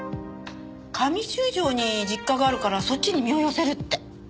上十条に実家があるからそっちに身を寄せるって。